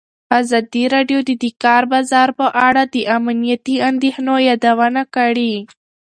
ازادي راډیو د د کار بازار په اړه د امنیتي اندېښنو یادونه کړې.